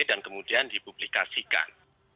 dan kemudian dipublikasikan